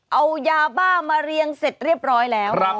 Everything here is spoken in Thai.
เอายาบ้ามาเรียงเสร็จเรียบร้อยแล้ว